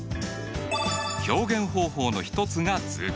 表現方法の一つが図形化。